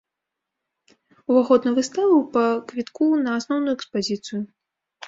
Уваход на выставу па квітку на асноўную экспазіцыю.